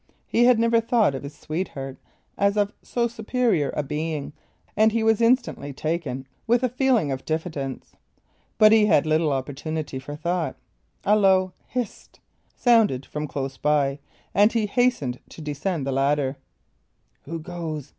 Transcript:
He had never thought of his sweetheart as of so superior a being, and he was instantly taken with a feeling of diffidence. But he had little opportunity for thought. A low "Hist!" sounded from close by, and he hastened to descend the ladder. "Who goes?"